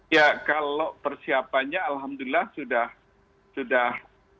ya kalau persiapannya alhamdulillah sudah